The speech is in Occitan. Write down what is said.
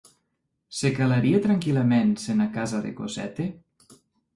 Se calarie tranquillaments ena casa de Cosette?